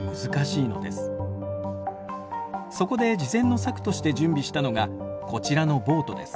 そこで次善の策として準備したのがこちらのボートです。